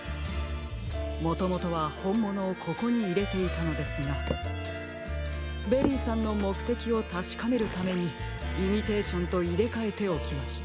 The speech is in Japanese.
もともとはほんものをここにいれていたのですがベリーさんのもくてきをたしかめるためにイミテーションといれかえておきました。